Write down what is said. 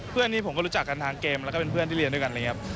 เพื่อนนี้ผมก็รู้จักกันทางเกมแล้วก็เป็นเพื่อนที่เรียนด้วยกัน